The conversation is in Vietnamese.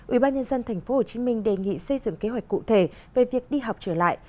ubnd tp hcm đề nghị xây dựng kế hoạch cụ thể về việc đi học trở lại